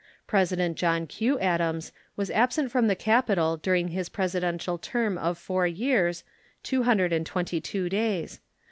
President John Q. Adams was absent from the capital during his Presidential term of four years two hundred and twenty two days.